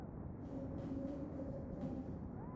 مرستندویان کابل ته راغلل.